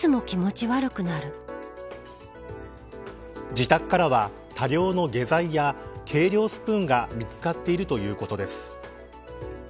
自宅からは多量の下剤や計量スプーンが見つかっているということです。